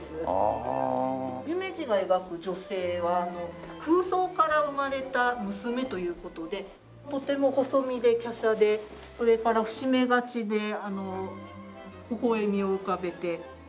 夢二が描く女性は空想から生まれた娘という事でとても細身で華奢でそれから伏し目がちでほほ笑みを浮かべて。